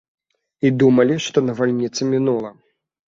І думалі, што навальніца мінула.